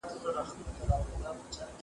قلمي خط د یو کار د بشپړولو ژمنتیا ښیي.